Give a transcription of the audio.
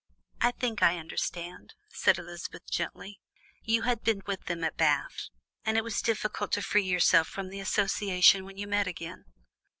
"I think I understand," said Elizabeth gently. "You had been with them at Bath, and it was difficult to free yourself from the association when you met again?"